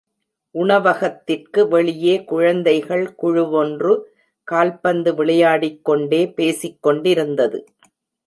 உணவகத்திற்கு வெளியே குழந்தைகள் குழுவொன்று கால்பந்து விளையாடிக் கொண்டே பேசிக் கொண்டிருந்தது.